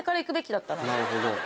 なるほど。